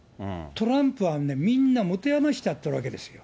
トランプはね、みんなもてあましちゃったわけですよ。